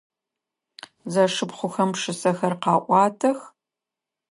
Зэшыпхъухэм пшысэхэр къаӏуатэх.